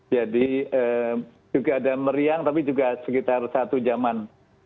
jadi juga ada meriang tapi juga sekitar satu jaman